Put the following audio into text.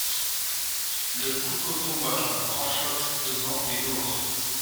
Le couteau tomba, un grand choc, pesant et sourd.